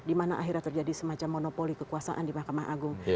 dimana akhirnya terjadi semacam monopoli kekuasaan di mahkamah agung